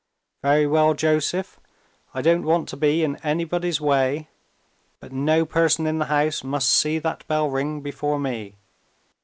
"Very well, Joseph! I don't want to be in anybody's way; but no person in the house must see that bell ring before me.